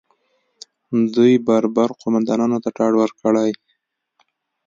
دوی بربر قومندانانو ته ډاډ ورکړي